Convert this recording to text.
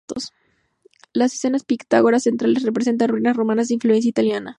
Las escenas pictóricas centrales representaban ruinas romanas de influencia italiana.